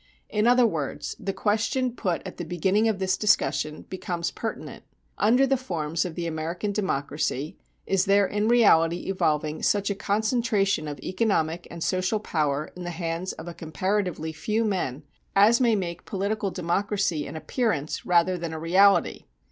In other words, the question put at the beginning of this discussion becomes pertinent. Under the forms of the American democracy is there in reality evolving such a concentration of economic and social power in the hands of a comparatively few men as may make political democracy an appearance rather than a reality?